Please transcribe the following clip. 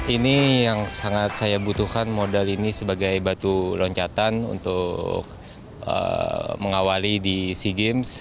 ini yang sangat saya butuhkan modal ini sebagai batu loncatan untuk mengawali di sea games